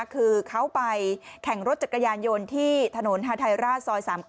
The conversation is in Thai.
คือเขาไปแข่งรถจักรยานยนต์ที่ถนนฮาไทยราชซอย๓๙